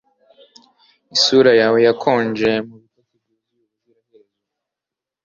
isura yawe yakonje mubitotsi byuzuye ubuziraherezo